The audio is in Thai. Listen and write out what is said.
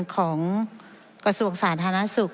ของกระทรวงสาธารณสุข